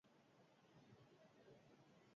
Gaurko auzi saioan ez da bertan izango.